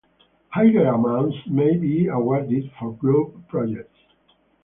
Higher amounts may be awarded for group projects.